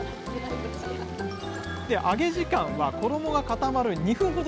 で揚げ時間は衣が固まる２分ほどでＯＫです。